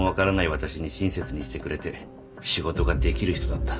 私に親切にしてくれて仕事ができる人だった。